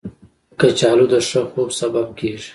کچالو د ښه خوب سبب کېږي